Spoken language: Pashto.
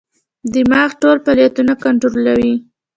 دماغ ټول فعالیتونه کنټرولوي.